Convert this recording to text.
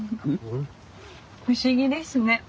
不思議ですね。